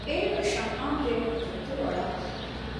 އެއިރު ޝަމްއާން ބިރުން ތުރުތުރުއަޅަ